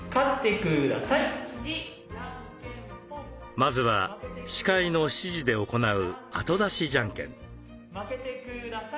まずは司会の指示で行う後出しジャンケン。